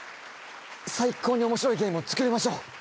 最高に面白いゲームを作りましょう